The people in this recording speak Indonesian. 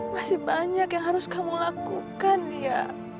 masih banyak yang harus kamu lakukan ya